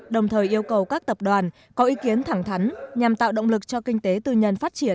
đồng thời yêu cầu các tập đoàn có ý kiến thẳng thắn nhằm tạo động lực cho kinh tế tư nhân phát triển